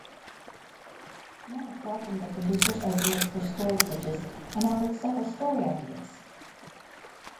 Nemec welcomed the producers' openness for story pitches and offered several story ideas.